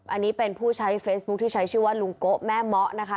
อันนี้เป็นผู้ใช้เฟซบุ๊คที่ใช้ชื่อว่าลุงโกะแม่เมาะนะคะ